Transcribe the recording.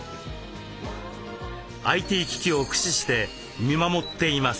ＩＴ機器を駆使して見守っています。